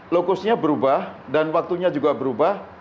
lokusnya berubah dan waktunya juga berubah